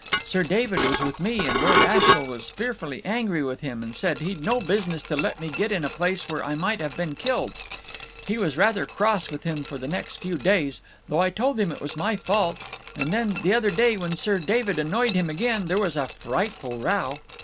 Sir David was with me, and Lord Ashiel was fearfully angry with him, and said he'd no business to let me get in a place where I might have been killed. He was rather cross with him for the next few days, though I told him it was my fault; and then the other day, when Sir David annoyed him again, there was a frightful row."